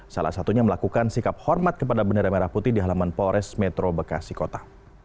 salah satunya melakukan sikap hormat kepada bendera merah putih di halaman polres metro bekasi kota